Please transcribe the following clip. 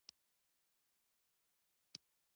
ژوره ساه واخله چې سږي دي واورم